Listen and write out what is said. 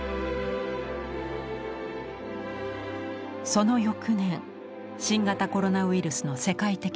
その翌年新型コロナウイルスの世界的流行。